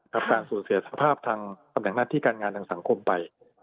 กับการสูญเสียสภาพทางการงานทางสังคมไป